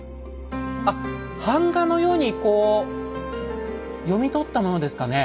あっ版画のようにこう読み取ったものですかね。